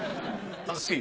あ確かに。